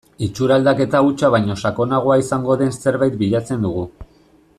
Itxura aldaketa hutsa baino sakonagoa izango den zerbait bilatzen dugu.